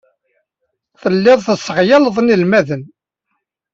Tellid tesseɣyaled inelmaden.